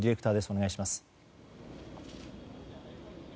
お願いします。